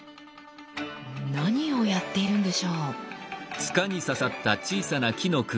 何をやっているんでしょう？